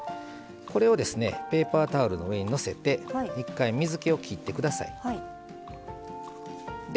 これをペーパータオルの上にのせて一回水けをきってください。